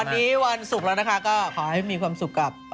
วันนี้วันศุกร์แล้วนะคะก็ขอให้มีความสุขกับ